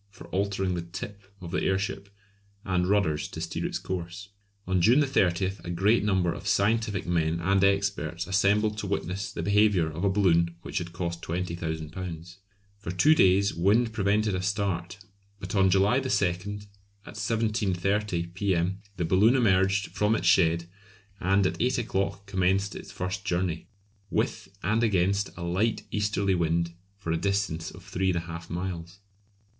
for altering the "tip" of the airship; and rudders to steer its course. On June 30 a great number of scientific men and experts assembled to witness the behaviour of a balloon which had cost £20,000. For two days wind prevented a start, but on July 2, at 7.30 P.M., the balloon emerged from its shed, and at eight o'clock commenced its first journey, with and against a light easterly wind for a distance of three and a half miles.